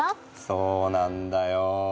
そうなんだよ。